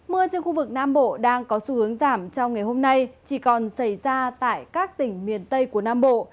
mưa trên khu vực nam bộ đang có xu hướng giảm trong ngày hôm nay chỉ còn xảy ra tại các tỉnh miền tây của nam bộ